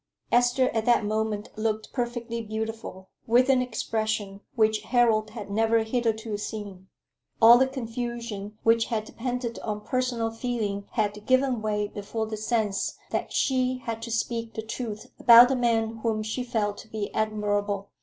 Esther at that moment looked perfectly beautiful, with an expression which Harold had never hitherto seen. All the confusion which had depended on personal feeling had given way before the sense that she had to speak the truth about the man whom she felt to be admirable.